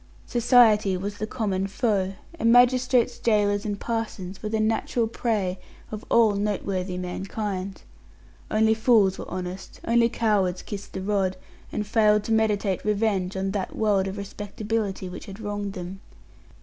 Society was the common foe, and magistrates, gaolers, and parsons were the natural prey of all noteworthy mankind. Only fools were honest, only cowards kissed the rod, and failed to meditate revenge on that world of respectability which had wronged them.